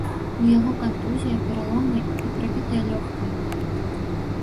У яго кантузія, пераломы і прабітае лёгкае.